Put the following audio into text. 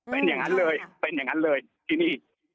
เป็นอย่างนั้นเลยเป็นอย่างนั้นเลยที่นี่